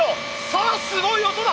さあすごい音だ！